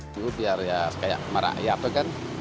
itu biar ya kayak merakyat kan